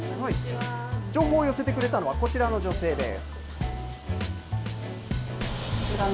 情報を寄せてくれたのは、こちらの女性です。